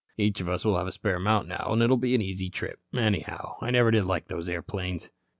Each of us will have a spare mount now, and it'll be an easy trip. Anyhow, I never did like those airplanes."